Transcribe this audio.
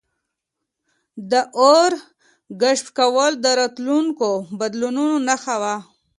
د اور کشف کول د راتلونکو بدلونونو نښه وه.